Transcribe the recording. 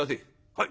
「はい。